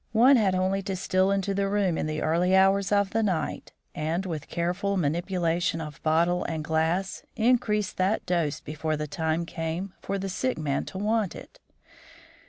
One had only to steal into the room in the early hours of the night, and, with careful manipulation of bottle and glass, increase that dose before the time came for the sick man to want it.